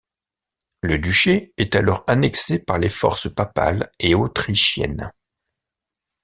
Le duché est alors annexé par les forces papales et autrichiennes.